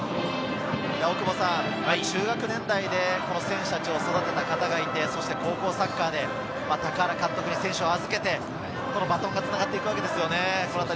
中学年代で選手たちを育てた方がいて、高校サッカーで高原監督に選手を預け、バトンがつながっていくわけですね。